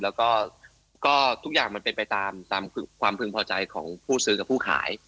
แล้วก็ทุกอย่างมันเป็นไปตามความพึงพอใจของผู้ซื้อกับผู้ขาย